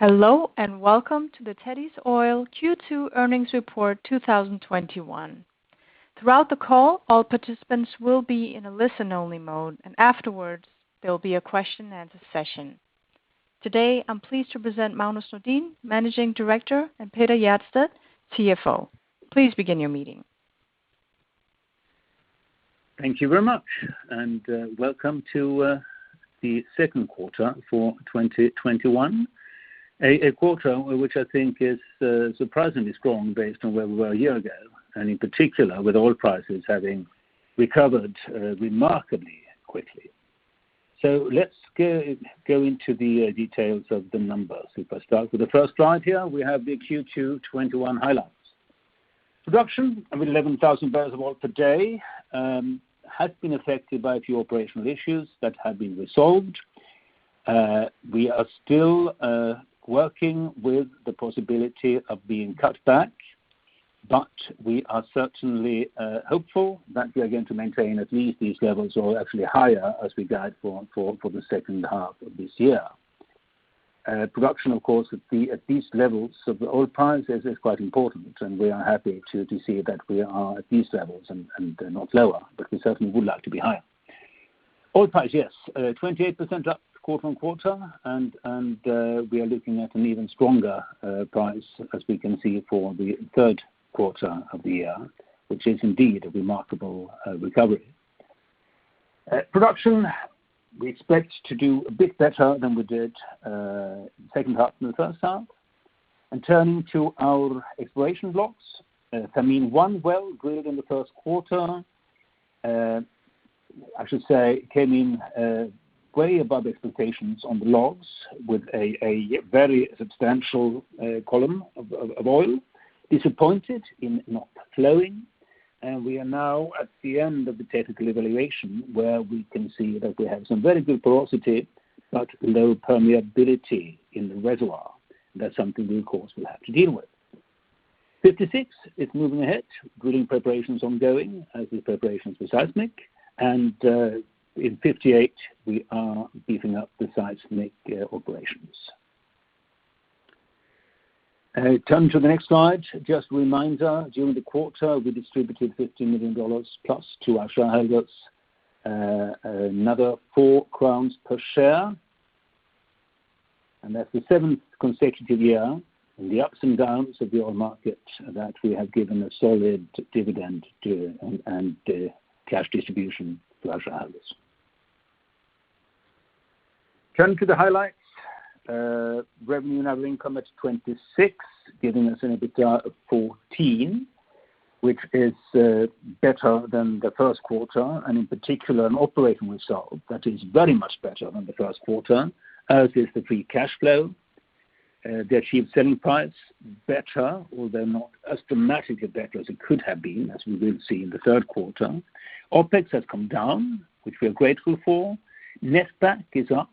Hello, and welcome to the Tethys Oil Q2 earnings report 2021. Throughout the call, all participants will be in a listen-only mode, and afterwards, there will be a question and answer session. Today, I'm pleased to present Magnus Nordin, Managing Director, and Petter Hjertstedt, CFO. Please begin your meeting. Thank you very much and welcome to the Q2 for 2021, a quarter which I think is surprisingly strong based on where we were a year ago, and in particular, with oil prices having recovered remarkably quickly. Let's go into the details of the numbers if I start with the first slide here, we have the Q2 2021 highlights. Production of 11,000bbl of oil per day has been affected by a few operational issues that have been resolved. We are still working with the possibility of being cut back, but we are certainly hopeful that we are going to maintain at least these levels or actually higher as we guide for the second half of this year. Production of course, at these levels of the oil prices is quite important, and we are happy to see that we are at these levels and not lower, but we certainly would like to be higher. Oil price yes, 28% up quarter-on-quarter, and we are looking at an even stronger price as we can see for the Q3 of the year, which is indeed a remarkable recovery. Production, we expect to do a bit better than we did second half than the first half. Turning to our exploration blocks, Thameen-1 well drilled in the Q1, I should say came in way above expectations on the logs with a very substantial column of oil, disappointed in not flowing, and we are now at the end of the technical evaluation where we can see that we have some very good porosity but low permeability in the reservoir. That's something we, of course, will have to deal with. Block 56 is moving ahead, drilling preparations ongoing as with preparations for seismic. And, in Block 58, we are beefing up the seismic operations. Turning to the next slide, just a reminder, during the quarter, we distributed SEK 15 million plus to our shareholders, another 4 crowns per share. That's the seventh consecutive year in the ups and downs of the oil market that we have given a solid dividend and cash distribution to our shareholders. Turning to the highlights, revenue and other income at 26 million, giving us an EBITDA of 14 million, which is better than the Q1, and in particular, an operating result that is very much better than the Q1, as is the Free Cash Flow. The achieved selling price, better, although not as dramatically better as it could have been, as we will see in the Q3. OpEx has come down, which we are grateful for. Netback is up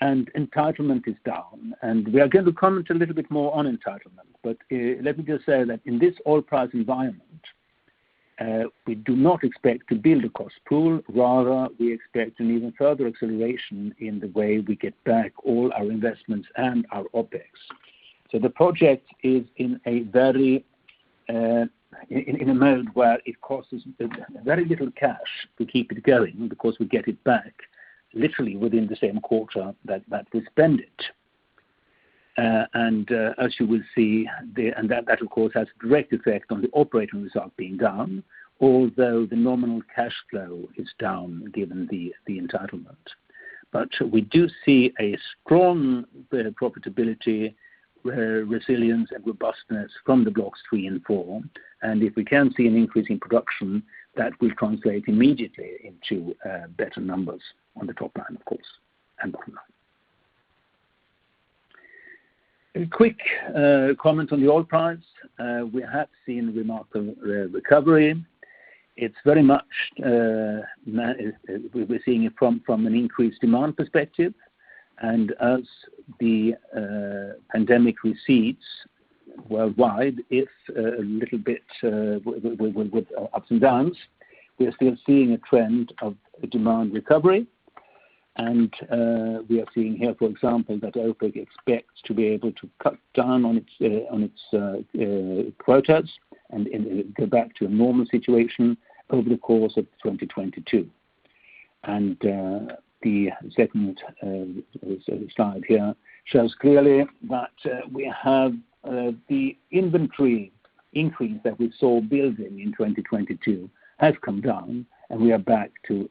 and entitlement is down and we are going to comment a little bit more on entitlement let me just say that in this oil price environment, we do not expect to build a cost pool rather, we expect an even further acceleration in the way we get back all our investments and our OpEx. The project is in a mode where it costs us very little cash to keep it going because we get it back literally within the same quarter that we spend it. As you will see, that of course, has a direct effect on the operating result being down, although the nominal cash flow is down given the entitlement. But we do see a strong profitability resilience and robustness from the Blocks 3 and 4, and if we can see an increase in production, that will translate immediately into better numbers on the top line, of course, and bottom line. A quick comment on the oil price. We have seen a remarkable recovery. We're seeing it from an increased demand perspective. As the pandemic recedes worldwide, if a little bit with ups and downs, we are still seeing a trend of demand recovery. We are seeing here, for example, that OPEC expects to be able to cut down on its quotas and go back to a normal situation over the course of 2022. The second slide here shows clearly that we have the inventory increase that we saw building in 2022 has come down, and we are back to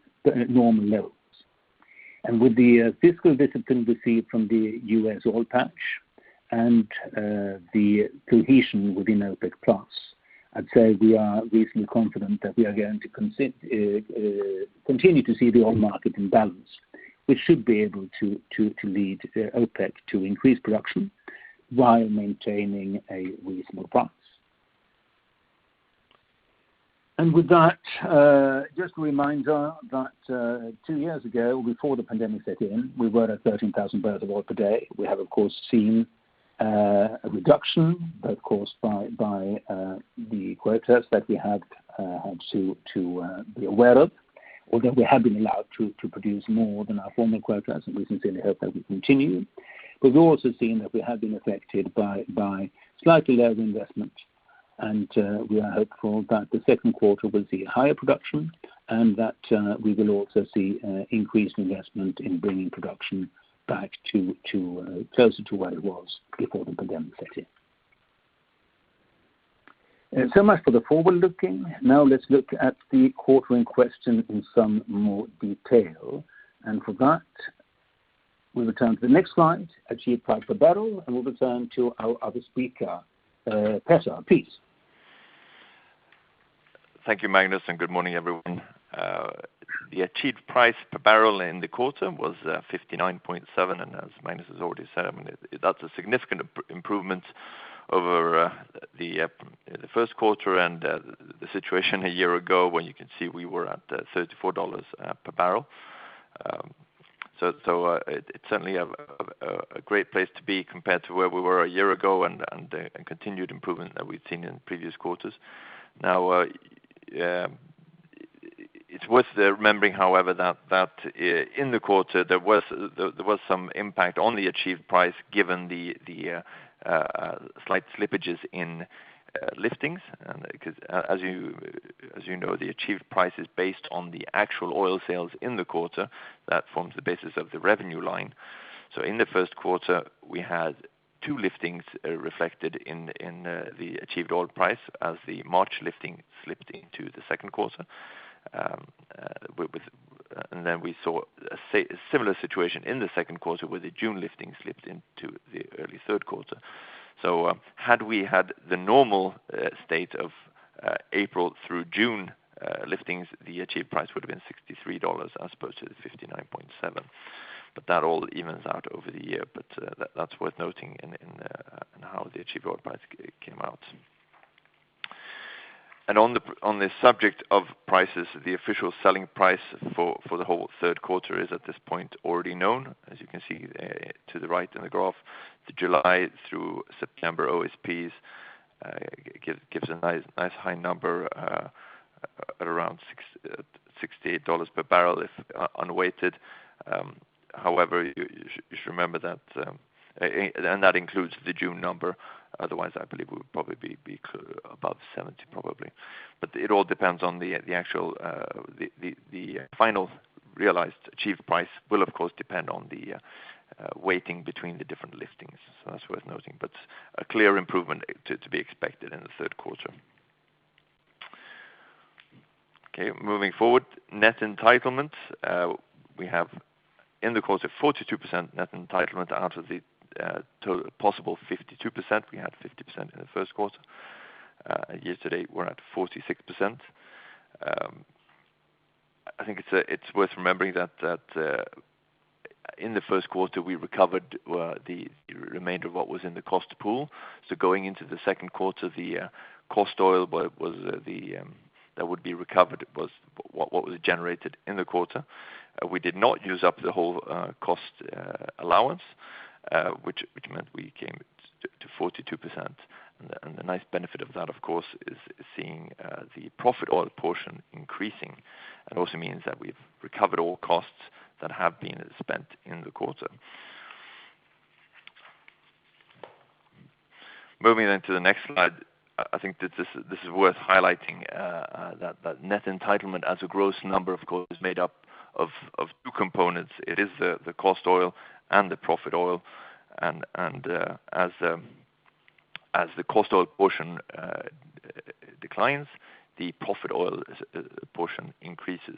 normal levels. With the fiscal discipline we see from the U.S. oil patch and the cohesion within OPEC+, I'd say we feel confident that we are going to continue to see the oil market in balance, which should be able to lead OPEC to increase production while maintaining a reasonable price. With that, just a reminder that two years ago, before the pandemic set in, we were at 13,000bbl of oil per day, we have, of course, seen a reduction caused by the quotas that we had to be aware of. Although we have been allowed to produce more than our former quotas, and we sincerely hope that will continue. We've also seen that we have been affected by slightly lower investment. We are hopeful that the Q2 will see higher production and that we will also see increased investment in bringing production back closer to where it was before the pandemic set in. So much for the forward-looking. Now let's look at the quarter in question in some more detail. And for that, we'll return to the next slide, achieved price per barrel, and we'll return to our other speaker, Petter please. Thank you, Magnus and good morning, everyone. The achieved price per barrel in the quarter was $59.7, and as Magnus has already said, that's a significant improvement over the Q1 and the situation a year ago when you can see we were at $34bbl. It's certainly a great place to be compared to where we were a year ago and the continued improvement that we've seen in previous quarters. Now, it's worth remembering, however, that in the quarter, there was some impact on the achieved price given the slight slippages in liftings and because as you know, the achieved price is based on the actual oil sales in the quarter. That forms the basis of the revenue line. In the Q1, we had two liftings reflected in the achieved oil price as the March lifting slipped into the Q2. We saw a similar situation in the Q2 where the June lifting slipped into the early Q3. Had we had the normal state of April through June liftings, the achieved price would have been $63 as opposed to $59.7. That all evens out over the year, but that's worth noting in how the achieved oil price came out. On the subject of prices, the official selling price for the whole Q3 is, at this point, already known as you can see to the right in the graph, the July through September OSPs gives a nice high number at around $68bbl if unweighted. However you should remember that includes the June number. I believe it would probably be above $70, probably. It all depends on the final realized achieved price will, of course, depend on the weighting between the different liftings that's worth noting. A clear improvement to be expected in the Q3. Okay, moving forward, net entitlement, we have, in the quarter, 42% net entitlement out of the possible 52% we had 50% in the Q1. Yesterday, we're at 46%. I think it's worth remembering that in the Q1, we recovered the remainder of what was in the cost pool. Going into the Q2, the cost oil that would be recovered was what was generated in the quarter. We did not use up the whole cost allowance, which meant we came to 42%. The nice benefit of that, of course, is seeing the profit oil portion increasing. It also means that we've recovered all costs that have been spent in the quarter. Moving into the next slide. I think this is worth highlighting that net entitlement as a gross number, of course, is made up of two components. It is the cost oil and the profit oil, and as the cost oil portion declines, the profit oil portion increases.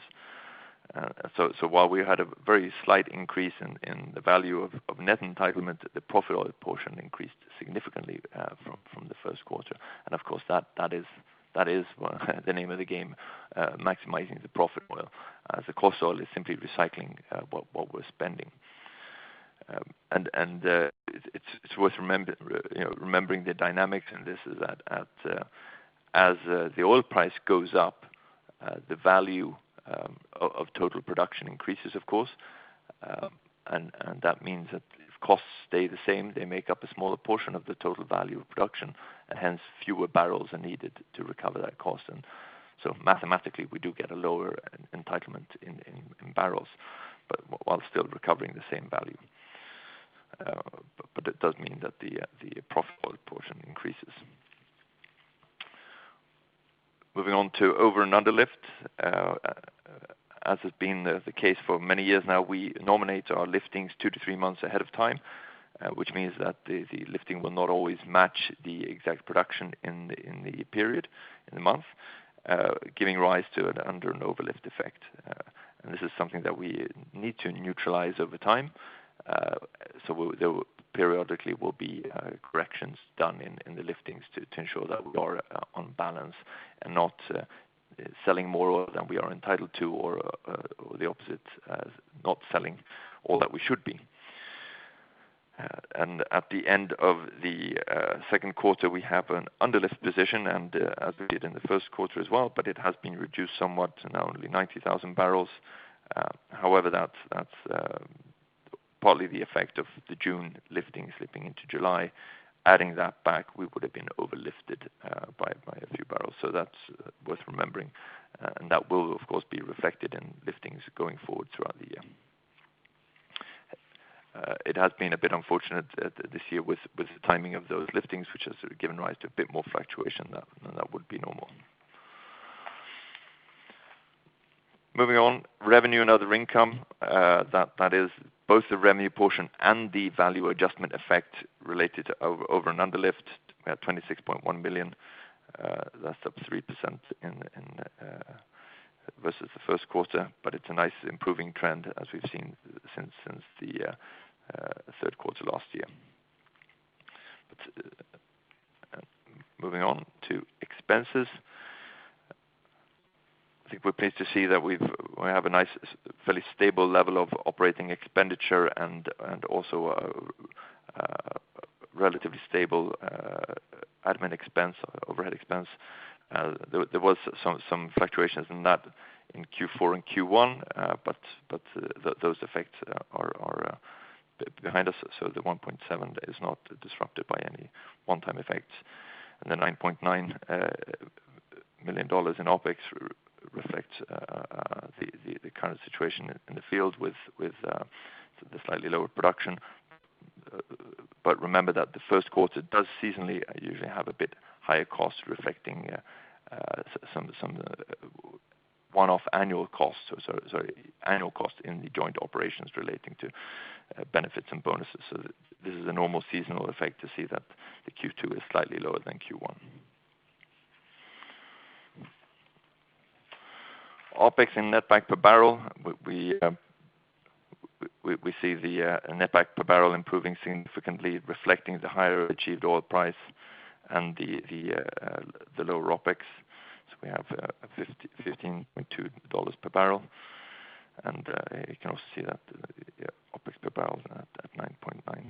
While we had a very slight increase in the value of net entitlement, the profit oil portion increased significantly from the Q1, of course, that is the name of the game, maximizing the profit oil, as the cost oil is simply recycling what we're spending. It's worth remembering the dynamics in this is that as the oil price goes up, the value of total production increases, of course. That means that if costs stay the same, they make up a smaller portion of the total value of production, and hence, fewer barrels are needed to recover that cost. So mathematically, we do get a lower entitlement in barrels, but while still recovering the same value. It does mean that the profit oil portion increases. Moving on to over and underlift, as has been the case for many years now, we nominate our liftings two to three months ahead of time, which means that the lifting will not always match the exact production in the period, in the month, giving rise to an under and overlift effect. This is something that we need to neutralize over time. There periodically will be corrections done in the liftings to ensure that we are on balance and not selling more oil than we are entitled to or the opposite, not selling all that we should be. At the end of the Q2, we have an underlift position, as we did in the Q1 as well, but it has been reduced somewhat to now only 90,000bbl. However, that's partly the effect of the June lifting slipping into July. Adding that back, we would've been overlifted by a few barrels so that's worth remembering. That will, of course, be reflected in liftings going forward throughout the year. It has been a bit unfortunate this year with the timing of those liftings, which has given rise to a bit more fluctuation than that would be normal. Moving on, revenue and other income, that is both the revenue portion and the value adjustment effect related to over and under lift. We had $26.1 million. That's up 3% versus the Q1, but it's a nice improving trend as we've seen since the Q3 last year. Moving on to expenses. I think we're pleased to see that we have a nice, fairly stable level of operating expenditure and also a relatively stable admin expense, overhead expense. There was some fluctuations in that in Q4 and Q1, but those effects are behind us. The $1.7 million is not disrupted by any one-time effects. The $9.9 million in OpEx reflects the current situation in the field with the slightly lower production. Remember that the Q1 does seasonally usually have a bit higher cost reflecting some of the one-off annual costs so annual cost in the joint operations relating to benefits and bonuses this is a normal seasonal effect to see that the Q2 is slightly lower than Q1. OpEx and Netback per barrel, we see the Netback per barrel improving significantly, reflecting the higher achieved oil price and the lower OpEx. We have a $15.2bbl. You can also see that OpEx per barrel at $9.9.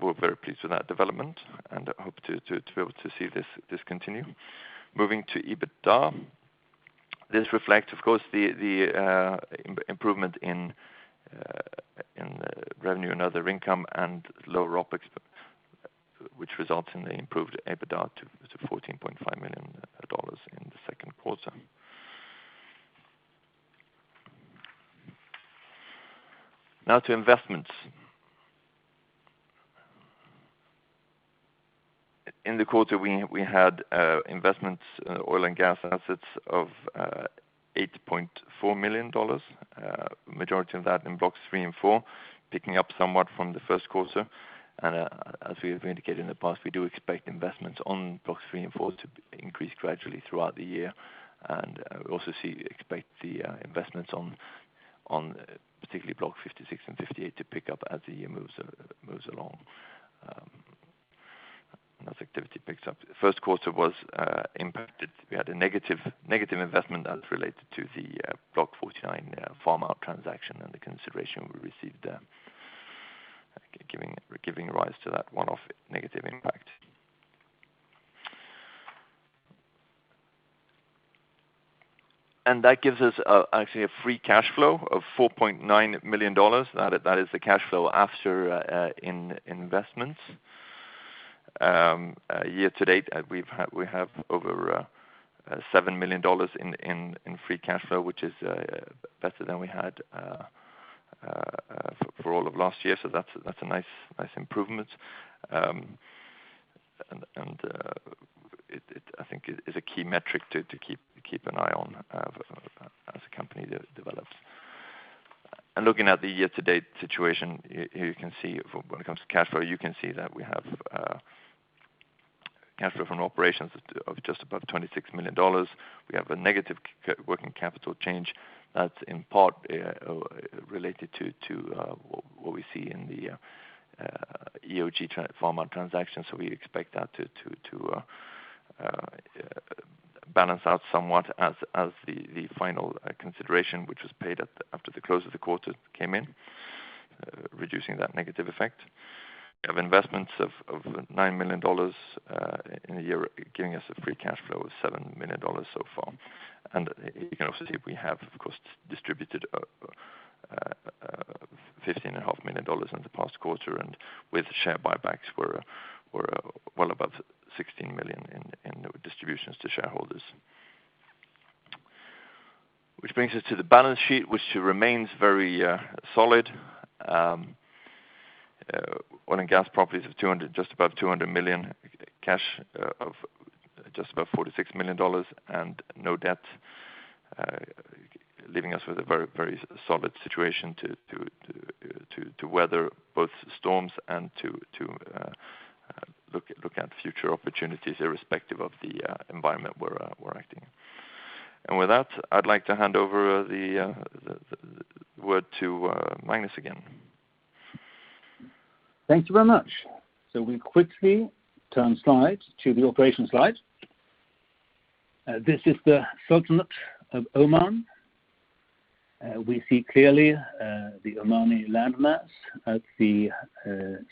We're very pleased with that development and hope to be able to see this continue. Moving to EBITDA. This reflects, of course, the improvement in revenue and other income and lower OpEx, which results in the improved EBITDA to $14.5 million in the Q2. Now to investments. In the quarter, we had investments, oil and gas assets of $8.4 million. Majority of that in Blocks 3 and 4, picking up somewhat from the Q1. As we have indicated in the past, we do expect investments on Blocks 3 and 4 to increase gradually throughout the year. We also expect the investments on particularly Block 56 and Block 58 to pick up as the year moves along as activity picks up the Q1 was impacted. We had a negative investment as related to the Block 49 farm out transaction, and the consideration we received there, giving rise to that one-off negative impact. That gives us actually a Free Cash Flow of $4.9 million that is the cash flow after investments. Year to date, we have over $7 million in Free Cash Flow, which is better than we had for all of last year so that's a nice improvement. I think is a key metric to keep an eye on as the company develops. Looking at the year-to-date situation, when it comes to cash flow, you can see that we have cash flow from operations of just above $26 million. We have a negative working capital change that's in part related to what we see in the EOG farm out transaction so we expect that to balance out somewhat as the final consideration, which was paid after the close of the quarter came in, reducing that negative effect. We have investments of $9 million in a year, giving us a Free Cash Flow of $7 million so far. You can also see we have, of course, distributed $15.5 million in the past quarter, and with share buybacks were well above $16 million in distributions to shareholders. Which brings us to the balance sheet, which remains very solid. Oil and gas properties of just above $200 million, cash of just above $46 million, and no debt, leaving us with a very solid situation to weather both storms and to look at future opportunities irrespective of the environment we're acting in. With that, I'd like to hand over the word to Magnus again. Thank you very much. We quickly turn slide to the operation slide. This is the Sultanate of Oman. We see clearly the Omani land mass at the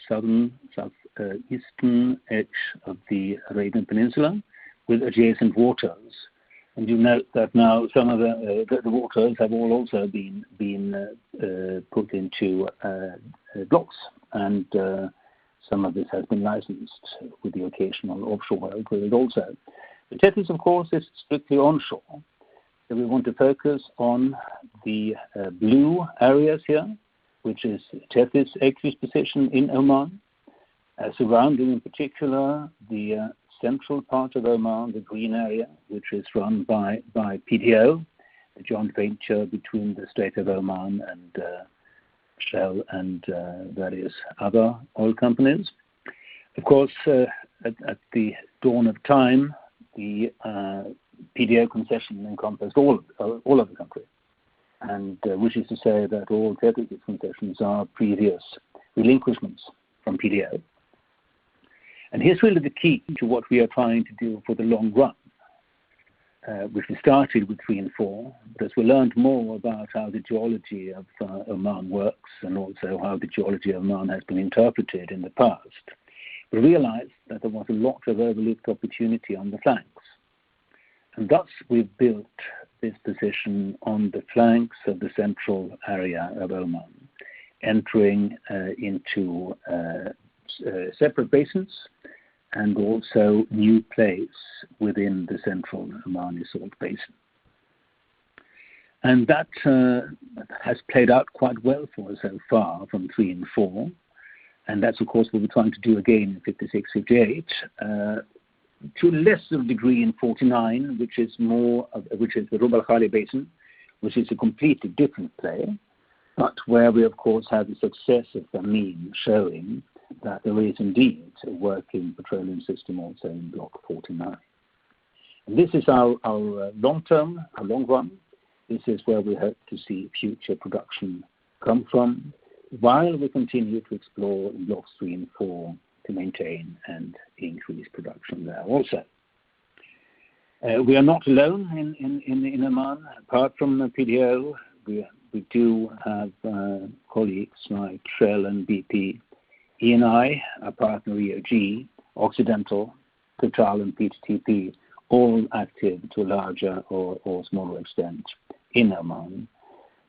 southern, southeastern edge of the Arabian Peninsula with adjacent waters. You note that now some of the waters have all also been put into blocks, and some of this has been licensed with the occasional offshore oil drilled also. Tethys, of course, is strictly onshore. We want to focus on the blue areas here, which is Tethys' acquisition in Oman, surrounding in particular the central part of Oman, the green area, which is run by PDO, the joint venture between the state of Oman and Shell and various other oil companies. Of course, at the dawn of time, the PDO concession encompassed all of the country, and which is to say that all Tethys concessions are previous relinquishments from PDO. Here's really the key to what we are trying to do for the long run, which we started with Block 3 and Block 4, as we learned more about how the geology of Oman works and also how the geology of Oman has been interpreted in the past, we realized that there was a lot of overlooked opportunity on the flanks. Thus, we've built this position on the flanks of the central area of Oman, entering into separate basins and also new plays within the central Oman sort of basin. That has played out quite well for us so far from three and four, and that's, of course, what we're trying to do again in Block 56, Block 58, to a lesser degree in Block 49, which is the Rub'al Khali Basin, which is a completely different play, but where we of course had the success of Thameen-1 showing that there is indeed a working petroleum system also in Block 49. This is our long-term, our long run. This is where we hope to see future production come from while we continue to explore in Blocks 3 and Block 4 to maintain and increase production there also. We are not alone in Oman apart from PDO, we do have colleagues like Shell and BP, Eni, our partner EOG, Occidental, Total and PTTEP, all active to a larger or smaller extent in Oman.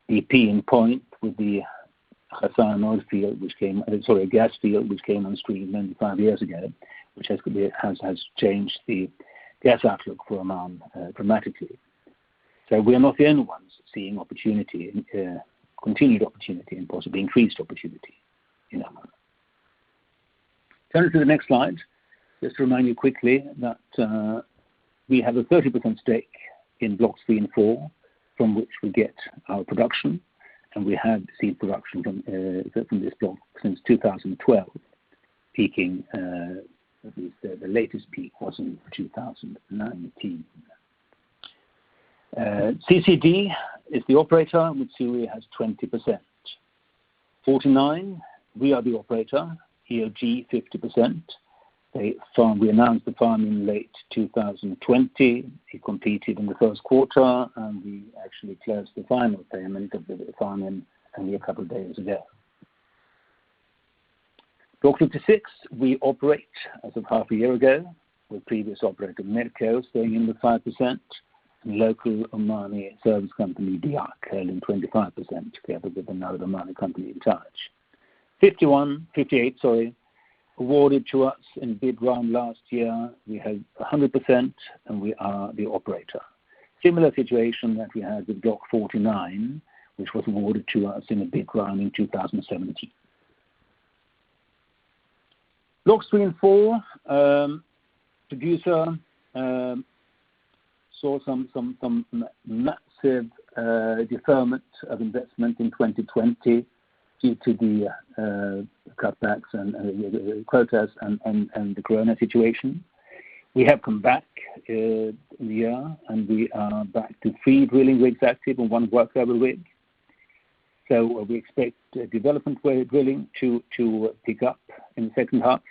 BP in point with the Khazzan gas field, which came on stream 25 years ago, which has changed the gas outlook for Oman dramatically. We are not the only ones seeing opportunity, continued opportunity, and possibly increased opportunity in Oman. Turning to the next slide, just to remind you quickly that we have a 30% stake in Blocks 3 and 4, from which we get our production. We have seen production from this block since 2012, peaking at least the latest peak was in 2019. CCED is the operator, Mitsui has 20%. Block 49, we are the operator, EOG 50%, we announced the farm in late 2020. It completed in the Q1, we actually closed the final payment of the farm only a couple of days ago. Block 56, we operate as of half a year ago, with previous operator Medco staying in with 5%, and local Omani service company DIAC holding 25%, together with another Omani company, Taj. Block 51, Block 58 sorry, awarded to us in a bid round last year, we have 100%, and we are the operator. Similar situation that we had with Block 49, which was awarded to us in a bid round in 2017. Blocks 3 and 4 producer saw some massive deferment of investment in 2020 due to the cutbacks and the quotas and the COVID situation. We have come back, we are back to three drilling rigs active and 1 workover rig. We expect development well drilling to pick up in the second half.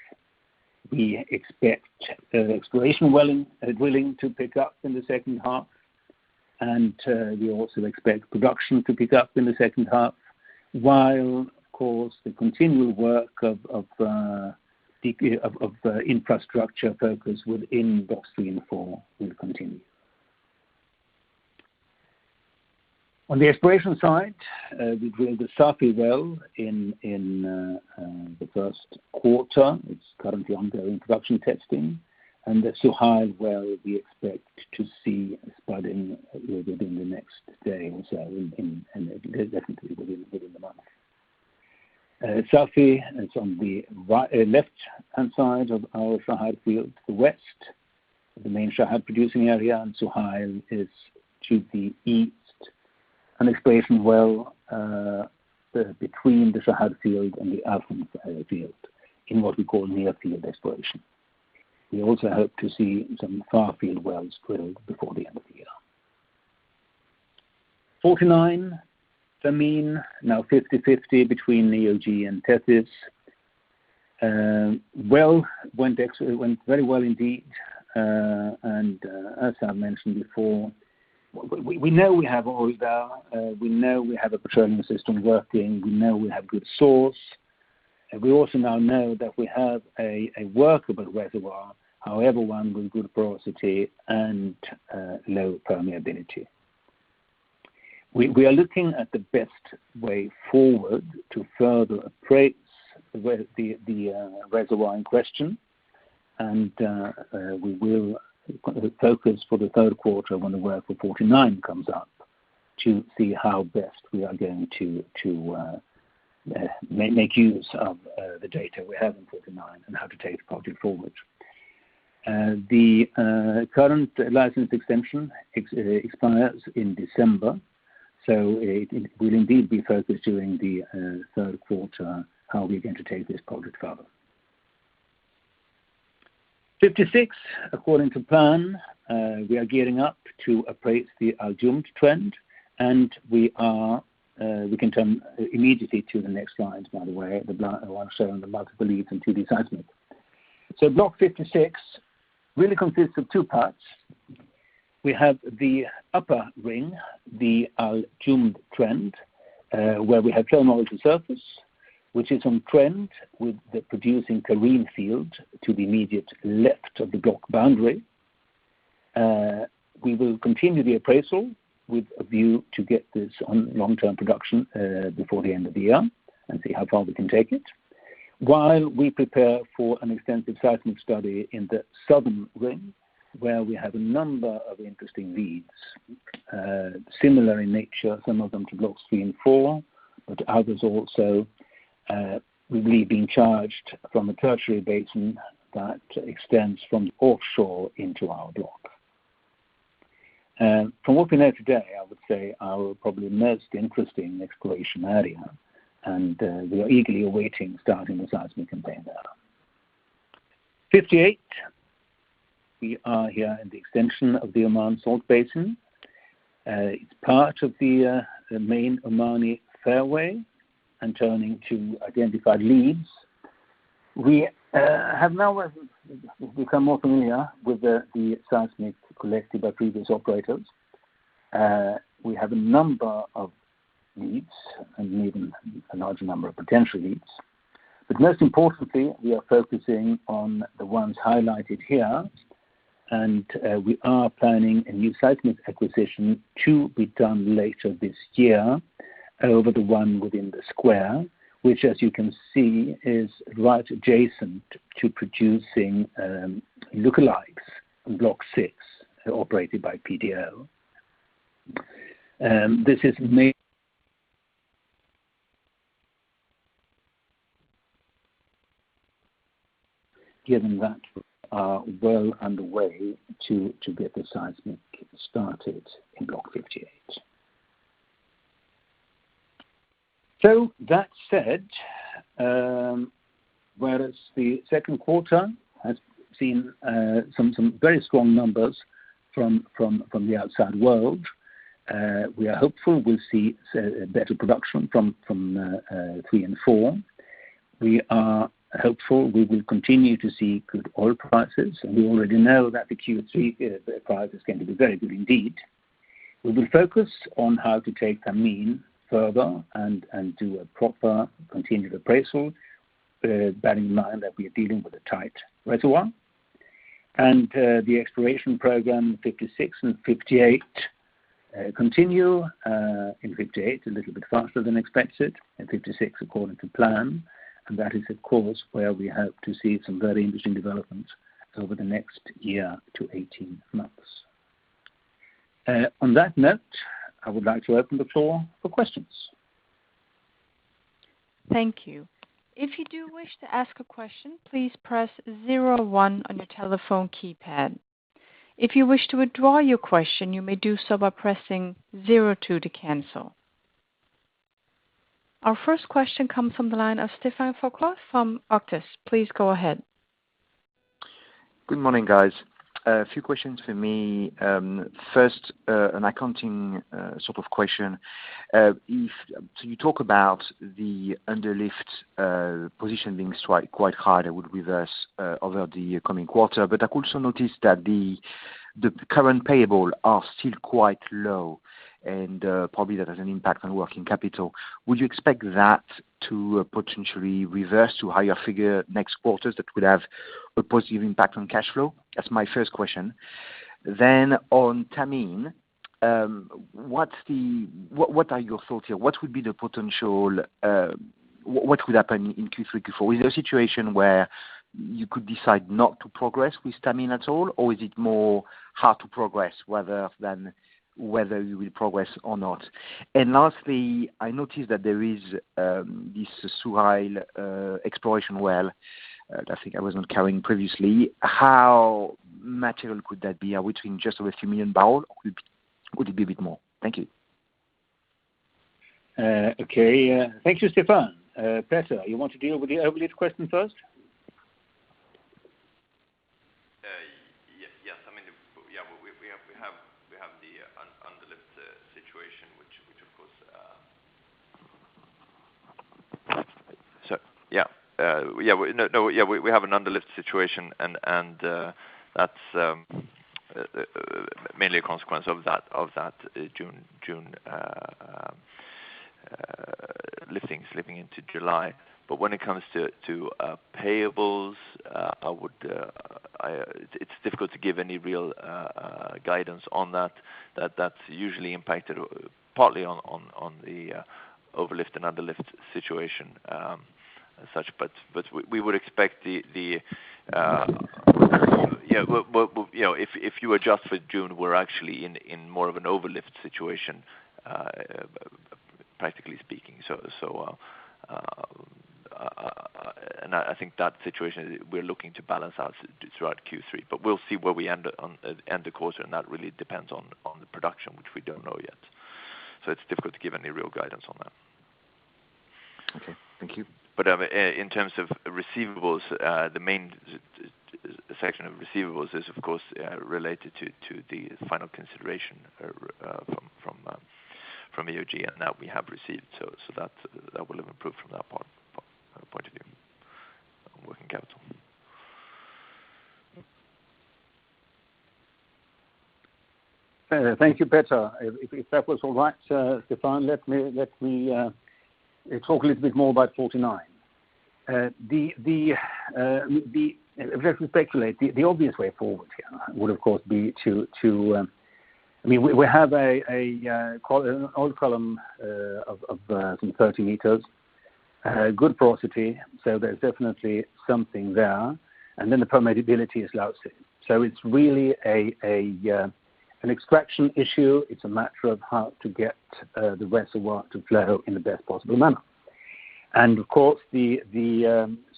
We expect exploration well drilling to pick up in the second half, and we also expect production to pick up in the second half, while of course, the continual work of infrastructure focus within Blocks 3 and 4 will continue. On the exploration side, we drilled the Safi well in the Q1. It's currently undergoing production testing, and the Suhail well we expect to see spudding within the next day or so, and definitely within the month. Safi is on the left-hand side of our Shahad field to the west of the main Shahad producing area, and Suhail is to the east. An exploration well between the Shahad field and the Al Khumr field in what we call near-field exploration. We also hope to see some far field wells drilled before the end of the year. 49, Thameen-1, now 50/50 between EOG and Tethys. Well, it went very well indeed. As I mentioned before, we know we have oil there. We know we have a petroleum system working. We know we have good source. We also now know that we have a workable reservoir. However, one with good porosity and low permeability. We are looking at the best way forward to further appraise the reservoir in question, and we will put the focus for the Q3 when the well for 49 comes up to see how best we are going to make use of the data we have in 49, and how to take the project forward. The current license extension expires in December, so it will indeed be focused during the Q3 how we're going to take this project further. Block 56, according to plan, we are gearing up to appraise the Al Jumd trend. We can turn immediately to the next slide, by the way, the one showing the multiple leads and 2D seismic. Block 56 really consists of two parts. We have the upper ring, the Al Jumd trend, where we have flow noise on surface, which is on trend with the producing Karim field to the immediate left of the block boundary. We will continue the appraisal with a view to get this on long-term production, before the end of the year and see how far we can take it while we prepare for an extensive seismic study in the southern rim, where we have a number of interesting leads, similar in nature, some of them to Blocks 3 and 4, but others also really being charged from a tertiary basin that extends from the offshore into our block. From what we know today, I would say, our probably most interesting exploration area. We are eagerly awaiting starting the seismic campaign there. Block 58, we are here in the extension of the Oman Salt Basin. It's part of the main Omani Fairway and turning to identified leads. We have now become more familiar with the seismic collected by previous operators. We have a number of leads and even a large number of potential leads. Most importantly, we are focusing on the ones highlighted here, and we are planning a new seismic acquisition to be done later this year over the (1), which as you can see is right adjacent to producing lookalikes in Block 6, operated by PDO. Given that we are well underway to get the seismic started in Block 58. That said, whereas the Q2 has seen some very strong numbers from the outside world, we are hopeful we'll see better production Blocks 3 and 4, we are hopeful we will continue to see good oil prices, and we already know that the Q3 price is going to be very good indeed. We will focus on how to take Thameen-1 further and do a proper continued appraisal, bearing in mind that we are dealing with a tight reservoir. The exploration program Block 56 and Block 58 continue. In Block 58, a little bit faster than expected. In Block 56, according to plan, and that is of course where we hope to see some very interesting developments over the next year to 18 months. On that note, I would like to open the floor for questions. Thank you. If you do wish to ask a question, please press zero one on your telephone keypad. If you wish to withdraw your question, you may do so by pressing zero two to cancel. Our first question comes from the line of Stephan Foukara from Octus. Please go ahead. Good morning, guys. A few questions for me. First, an accounting sort of question. You talk about the underlift position being quite hard, it would reverse over the coming quarter but i've also noticed that the current payable are still quite low and probably that has an impact on working capital. Would you expect that to potentially reverse to higher figure next quarters that would have a positive impact on cash flow? That's my first question. On Thameen-1, what are your thoughts here? What would happen in Q3, Q4? Is there a situation where you could decide not to progress with Thameen-1 at all? Is it more how to progress rather than whether you will progress or not? Lastly, I noticed that there is this Suhail exploration well, that I think I was not carrying previously how? material could that be? Are we talking just over a few million barrel or could it be a bit more? Thank you. Okay. Thank you, Stephan. Petter, you want to deal with the overhead question first? Yes an underlift situation, which of course, yeah, we have an underlift situation, that's mainly a consequence of that June liftings slipping into July. When it comes to payables, it's difficult to give any real guidance on that. That's usually impacted partly on the overlift and underlift situation as such but we would expect, if you adjust for June, we're actually in more of an overlift situation, practically speaking. I think that situation, we're looking to balance out throughout Q3, but we'll see where we end the quarter, and that really depends on the production, which we don't know yet. It's difficult to give any real guidance on that. Okay. Thank you. In terms of receivables, the main section of receivables is, of course, related to the final consideration from EOG that we have received, so that will improve from that point of view on working capital. Thank you, Petter. If that was all right, Stephan, let me talk a little bit more about 49. Let me speculate, the obvious way forward here would, of course, be to, we have an old column of some 30mi. Good porosity, so there's definitely something there, and then the permeability is lousy so it's really an extraction issue. It's a matter of how to get the reservoir to flow in the best possible manner. And of course, the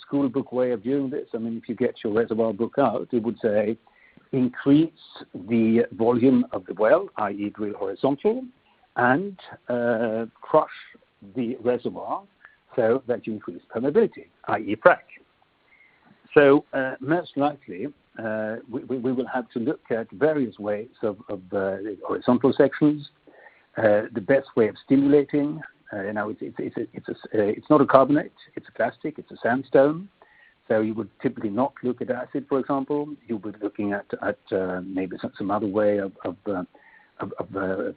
school book way of doing this, if you get your reservoir book out, it would say increase the volume of the well, i.e., drill horizontal, and crush the reservoir so that you increase permeability, i.e., frack. Most likely, we will have to look at various ways of horizontal sections, the best way of stimulating, it's not a carbonate, it's a clastic, it's a sandstone. You would typically not look at acid, for example. You'll be looking at maybe some other way of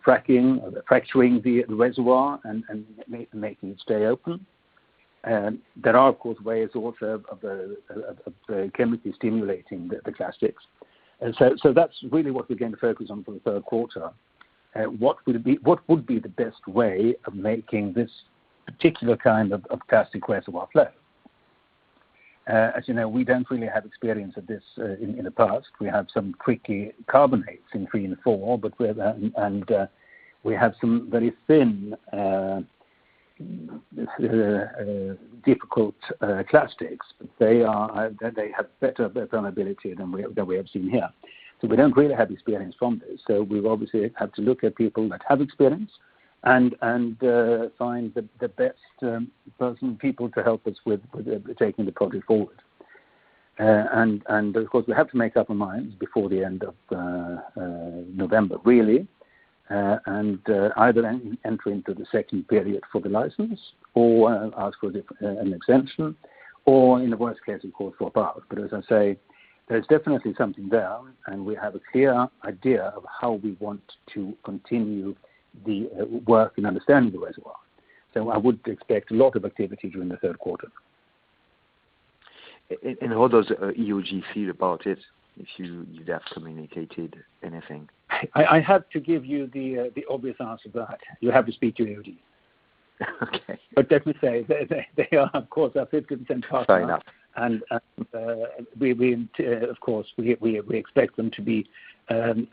fracturing the reservoir and making it stay open. There are, of course, ways also of chemically stimulating the clastics. So that's really what we're going to focus on for the Q3. What would be the best way of making this particular kind of clastic reservoir flow? As you know, we don't really have experience of this in the past. We have some creaky carbonates in 3 and 4, and we have some very thin difficult clastics, they have better permeability than we have seen here. We don't really have experience from this so we obviously have to look at people that have experience and find the best people to help us with taking the project forward. Of course, we have to make up our minds before the end of November, really, and either enter into the second period for the license or ask for an exemption or, in the worst case, of course, drop out as I say, there's definitely something there, and we have a clear idea of how we want to continue the work in understanding the reservoir. I would expect a lot of activity during the Q3. How does EOG feel about it, if you have communicated anything? I have to give you the obvious answer to that. You have to speak to EOG. Okay. Let me say, they are, of course, our 50% partner. Fair enough. Of course, we expect them to be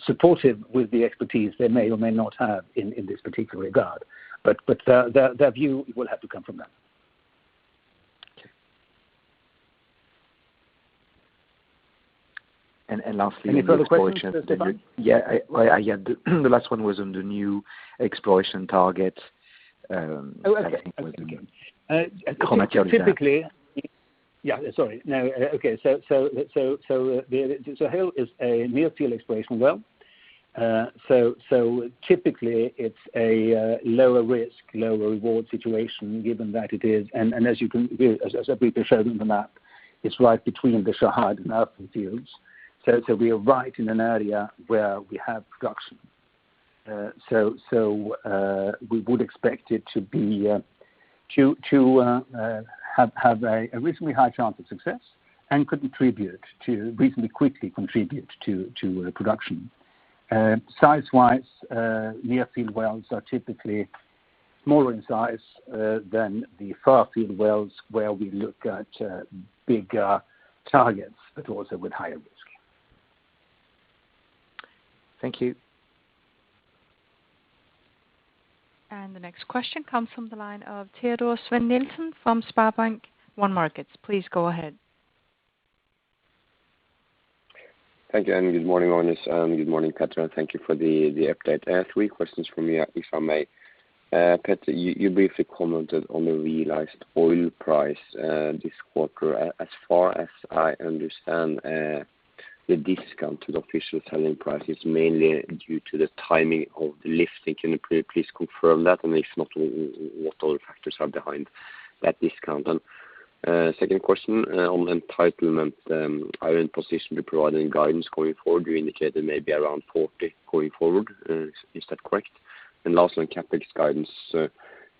supportive with the expertise they may or may not have in this particular regard. Their view will have to come from them. Okay. Any further questions, Stephan? Yeah. The last one was on the new exploration target. Oh, okay. I think it was the Khormakser field. Typically Hale is a near-field exploration well. Typically it's a lower risk, lower reward situation given that it is, and as I briefly showed on the map, it's right between the Shahd and Alfeen fields. We are right in an area where we have production. We would expect it to have a reasonably high chance of success and could reasonably quickly contribute to production. Size-wise, near-field wells are typically smaller in size than the far field wells where we look at bigger targets, but also with higher risk. Thank you. The next question comes from the line of Teodor Sveen-Nilsen from SpareBank 1 Markets. Please go ahead. Thank you, and good morning, Magnus, and good morning, Petter, and thank you for the update i have three questions from me, if I may. Petter, you briefly commented on the realized oil price this quarter as far as I understand, the discount to the official selling price is mainly due to the timing of the lifting can you please confirm that? If not, what other factors are behind that discount? Second question on the entitlement, are you in a position to provide any guidance going forward? You indicated maybe around 40 going forward, is that correct? Last, on CapEx guidance, is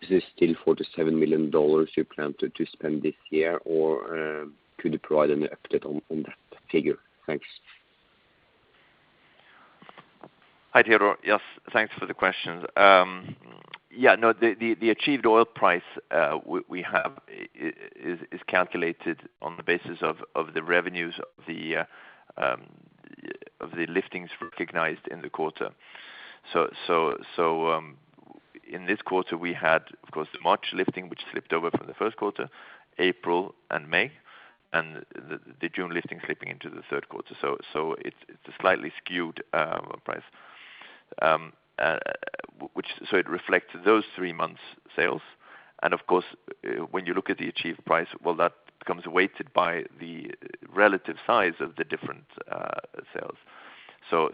it still SEK 47 million you plan to spend this year? or could you provide an update on that figure? Thanks. Hi, Teodor. Yes, thanks for the questions. The achieved oil price we have is calculated on the basis of the revenues of the liftings recognized in the quarter. In this quarter, we had, of course, the March lifting, which slipped over from the Q1, April and May, and the June lifting slipping into the Q3 it's a slightly skewed price. It reflects those three months' sales, and of course, when you look at the achieved price, well, that becomes weighted by the relative size of the different sales.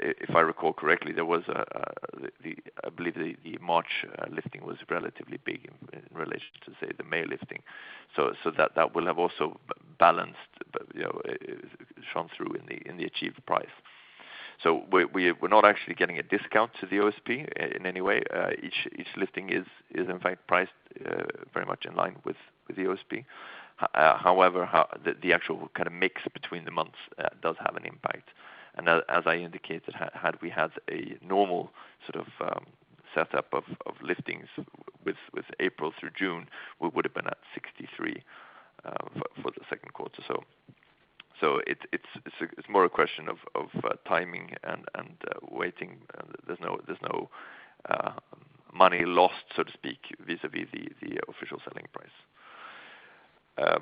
If I recall correctly, I believe the March lifting was relatively big in relation to, say, the May lifting. That will have also balanced, shown through in the achieved price. We're not actually getting a discount to the OSP in any way each lifting is in fact priced very much in line with the OSP. The actual mix between the months does have an impact. As I indicated, had we had a normal setup of liftings with April through June, we would have been at 63 for the Q2. It's more a question of timing and weighting there's no money lost, so to speak, vis-a-vis the official selling price.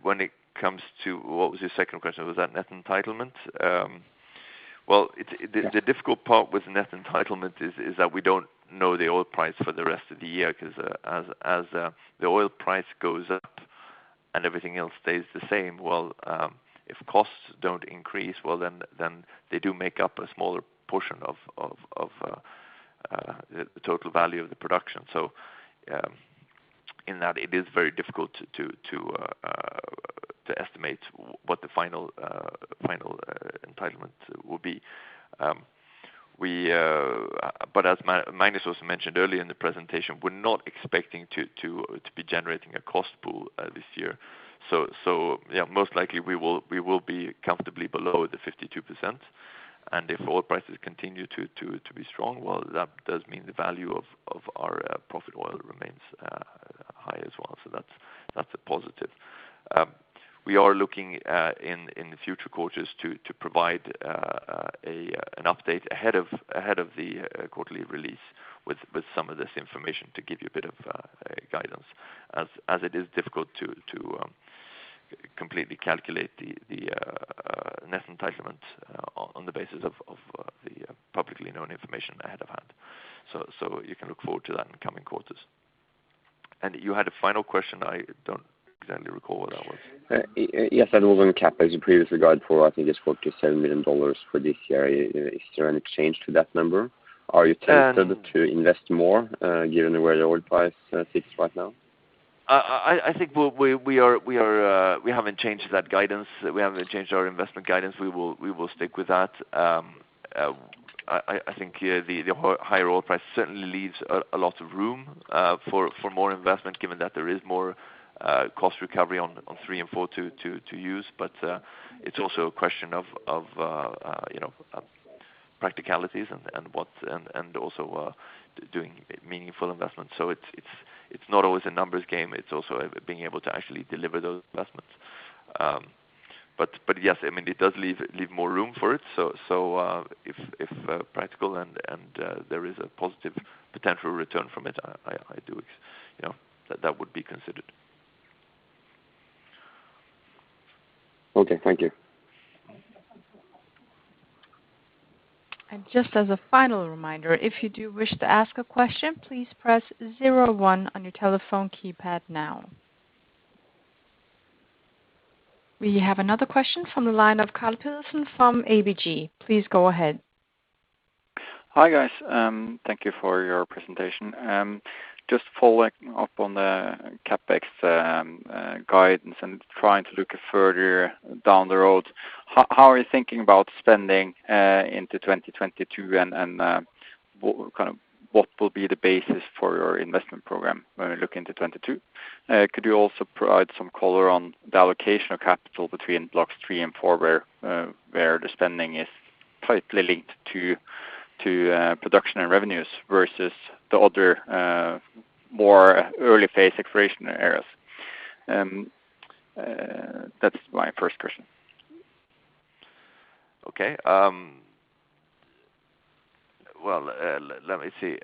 When it comes to, what was your second question? Was that net entitlement? Yeah. The difficult part with net entitlement is that we don't know the oil price for the rest of the year, because as the oil price goes up and everything else stays the same, if costs don't increase, they do make up a smaller portion of the total value of the production. In that, it is very difficult to estimate what the final entitlement will be. As Magnus also mentioned earlier in the presentation, we're not expecting to be generating a cost pool this year. Most likely, we will be comfortably below the 52%. If oil prices continue to be strong, that does mean the value of our profit oil remains high as well that's a positive. We are looking in the future quarters to provide an update ahead of the quarterly release with some of this information to give you a bit of guidance as it is difficult to completely calculate the net entitlement on the basis of the publicly known information ahead of time. You can look forward to that in coming quarters. You had a final question. I don't exactly recall what that was. Yes, that was on CapEx your previous guide for, I think it's $47 million for this year is there any change to that number? Are you tempted to invest more given where the oil price sits right now? I think we haven't changed that guidance, we haven't changed our investment guidance, we will stick with that. I think the higher oil price certainly leaves a lot of room for more investment, given that there is more cost recovery on three and four to use. It's also a question of practicalities and also doing meaningful investments it's not always a numbers game, it's also being able to actually deliver those investments. Yes, it does leave more room for it. If practical and there is a positive potential return from it, that would be considered. Okay, thank you. Just as a final reminder, if you do wish to ask a question, please press zero one on your telephone keypad now. We have another question from the line of Karl Petersen from ABG Sundal Collier. Please go ahead. Hi, guys. Thank you for your presentation. Just following up on the CapEx guidance and trying to look further down the road, how are you thinking about spending into 2022, and what will be the basis for your investment program when we look into 2022? Could you also provide some color on the allocation of capital between Blocks 3 and 4, where the spending is tightly linked to production and revenues versus the other more early-phase exploration areas? That's my first question. Okay. Well, let me see.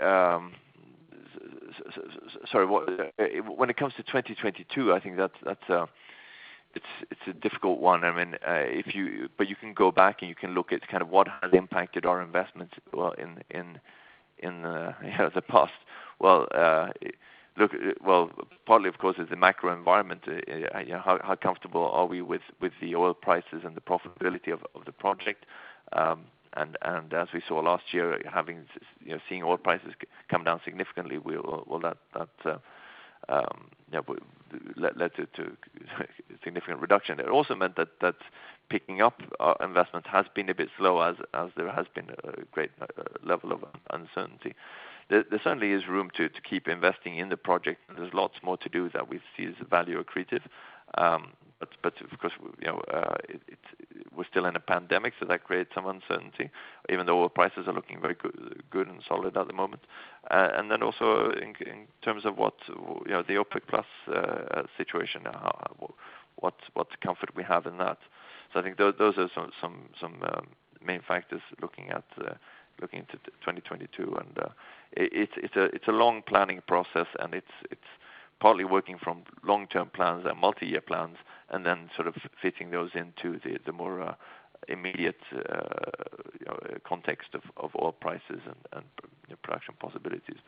Sorry when it comes to 2022, I think it is a difficult one i mean you can go back, and you can look at what has impacted our investments well in the past. Well, partly, of course, it is the macro environment. How comfortable are we with the oil prices and the profitability of the project? As we saw last year, seeing oil prices come down significantly, well, that led to a significant reduction it also meant that picking up our investment has been a bit slow as there has been a great level of uncertainty. There certainly is room to keep investing in the project. There is lots more to do that we see as value accretive. But of course, we are still in a pandemic, so that creates some uncertainty, even though oil prices are looking very good and solid at the moment. In terms of the OPEC+ situation, what comfort we have in that. I think those are some main factors looking into 2022. It's a long planning process, and it's partly working from long-term plans and multi-year plans, then sort of fitting those into the more immediate context of oil prices and production possibilities.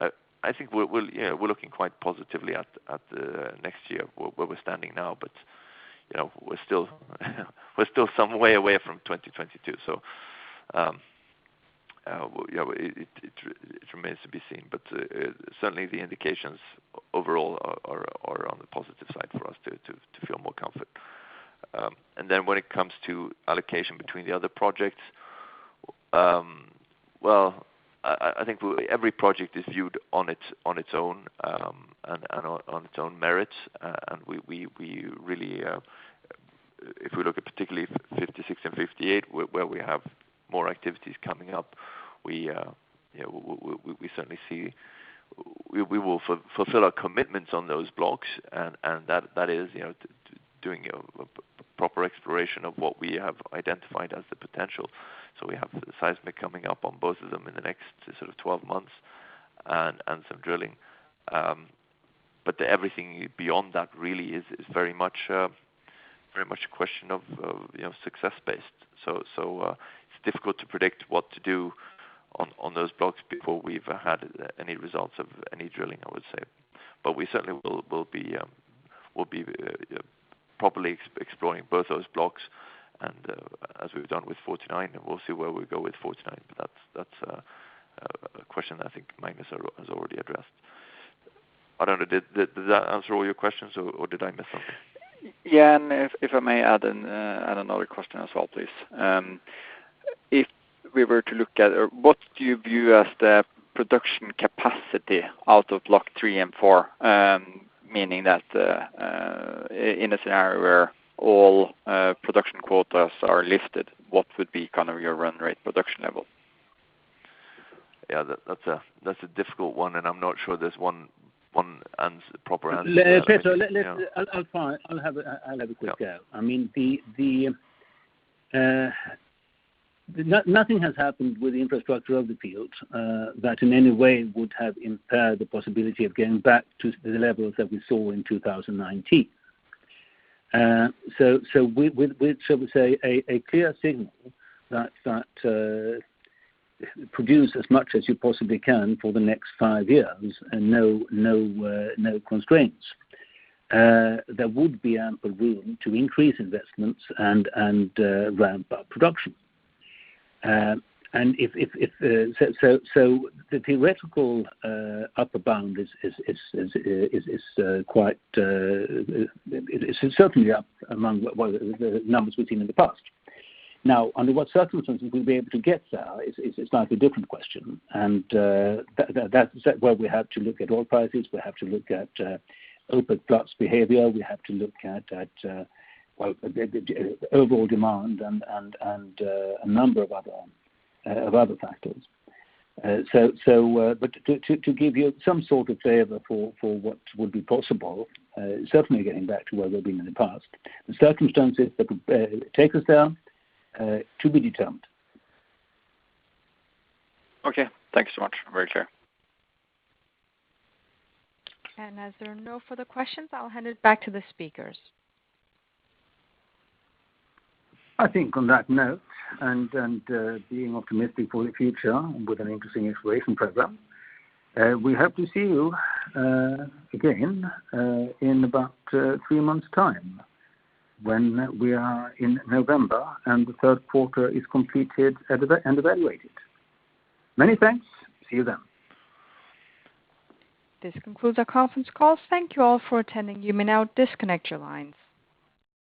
I think we're looking quite positively at the next year, where we're standing now. We're still some way away from 2022, it remains to be seen but certainly, the indications overall are on the positive side for us to feel more comfort. When it comes to allocation between the other projects, well, I think every project is viewed on its own merit. If we look at particularly Block 56 and Block 58, where we have more activities coming up, we will fulfill our commitments on those blocks and that is doing a proper exploration of what we have identified as the potential. We have seismic coming up on both of them in the next sort of 12 months, and some drilling. Everything beyond that really is very much a question of success based. It's difficult to predict what to do on those blocks before we've had any results of any drilling, I would say. We certainly will be properly exploring both those blocks, as we've done with 49, and we'll see where we go with 49 that's a question that I think Magnus has already addressed. I don't know, did that answer all your questions? or did I miss something? Yeah, if I may add another question as well, please. If we were to look at what do you view as the production capacity out of Block 3 and 4, meaning that in a scenario where all production quotas are lifted, what would be your run rate production level? Yeah, that's a difficult one, and I'm not sure there's one proper answer. Petter, I'll have a quick go. Yeah. Nothing has happened with the infrastructure of the field that in any way would have impaired the possibility of getting back to the levels that we saw in 2019. With, shall we say, a clear signal that produce as much as you possibly can for the next five years and no constraints, there would be ample room to increase investments and ramp up production. The theoretical upper bound is certainly up among the numbers we've seen in the past. Under what circumstances we'll be able to get there is now a different question, and that's where we have to look at oil prices, we have to look at OPEC+ behavior, we have to look at the overall demand and a number of other factors. To give you some sort of flavor for what would be possible, certainly getting back to where we've been in the past, the circumstances that would take us there, to be determined. Okay, thanks so much. Very clear. As there are no further questions, I'll hand it back to the speakers. I think on that note, and being optimistic for the future with an interesting exploration program, we hope to see you again in about three months' time, when we are in November, and the Q3 is completed and evaluated. Many thanks. See you then. This concludes our conference call. Thank you all for attending. You may now disconnect your lines.